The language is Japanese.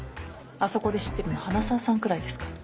あそこで知ってるの花澤さんくらいですから。